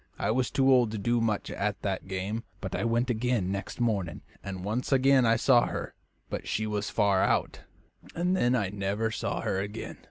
I was too old to do much at that game, but I went again next morning, and once again I saw her; but she was far out, and then I never saw her again.